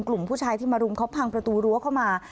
กลุ่มผู้ชายที่มารุมเขาพังประตูรั้วเข้ามา